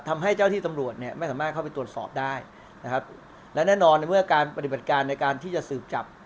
ทำให้เจ้าที่ตำรวจเนี่ยไม่สามารถเข้าไปตรวจสอบได้นะครับและแน่นอนในเมื่อการปฏิบัติการในการที่จะสืบจับ